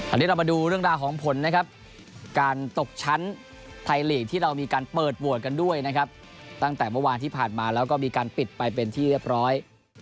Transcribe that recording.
อันนี้เรามาดูเรื่องราวของผลนะครับการตกชั้นไทยลีกที่เรามีการเปิดโหวตกันด้วยนะครับตั้งแต่เมื่อวานที่ผ่านมาแล้วก็มีการปิดไปเป็นที่เรียบร้อย